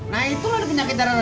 nah itulah penyakit darah